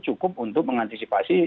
cukup untuk mengantisipasi